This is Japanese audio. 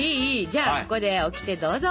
じゃあここでオキテどうぞ！